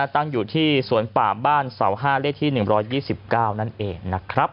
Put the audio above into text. ตั้งอยู่ที่สวนป่าบ้านเสา๕เลขที่๑๒๙นั่นเองนะครับ